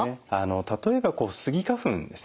例えばスギ花粉ですね